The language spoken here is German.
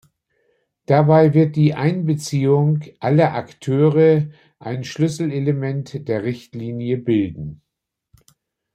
Dabei wird die Einbeziehung aller Akteure ein Schlüsselelement der Richtlinie bilden.